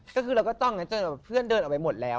ก็คือเราก็จ้องอย่างเงี้ยเพื่อนเดินเอาไปหมดแล้ว